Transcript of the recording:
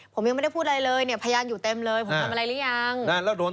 ผมยังไม่ได้พูดอะไรเลยเนี่ยพยานอยู่เต็มเลยผมทำอะไรหรือยังแล้วโดน